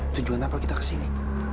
tujuan apa kita kesini